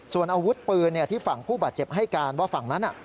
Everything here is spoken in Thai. ส่วนอาวุธปืนที่ฝั่งผู้บาดเจ็บให้การว่าฝั่งนั้น